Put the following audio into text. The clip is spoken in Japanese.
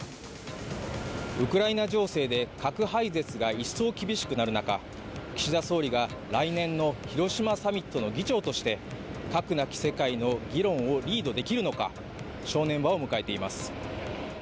ウクライナ情勢で核廃絶が一層厳しくなる中岸田総理が来年の広島サミットの議長として核なき世界の議論をリードできるのか正念場を迎えています。